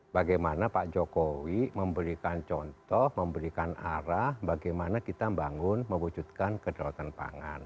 bagaimana pak jokowi memberikan contoh memberikan arah bagaimana kita membangun mewujudkan kedaulatan pangan